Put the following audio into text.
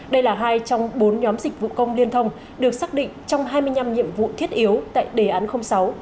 đây là hai trong bốn nhóm dịch vụ công liên thông được xác định trong hai mươi năm nhiệm vụ thiết yếu tại đề án sáu